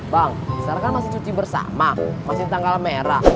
bang sekarang kan masih cuci bersama masih tanggal merah